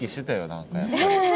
何かやっぱり。